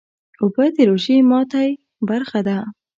اوبه د روژې ماتی برخه ده